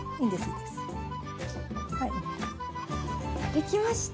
できました！